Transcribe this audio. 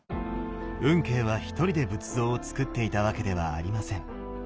運慶は１人で仏像をつくっていたわけではありません。